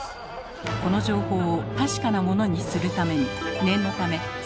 この情報を確かなものにするために念のため専門家に確認。